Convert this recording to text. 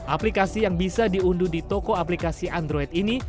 aplikasi yang bisa diunduh di toko aplikasi android ini